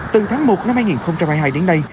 từ tháng một năm hai nghìn hai mươi hai đến nay